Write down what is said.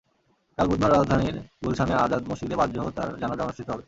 কাল বুধবার রাজধানীর গুলশানে আজাদ মসজিদে বাদ জোহর তাঁর জানাজা অনুষ্ঠিত হবে।